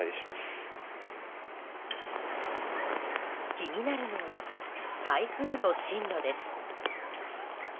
気になるのは台風の進路です。